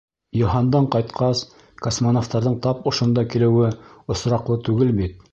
Йыһандан ҡайтҡас, космонавтарҙың тап ошонда килеүе осраҡлы түгел бит.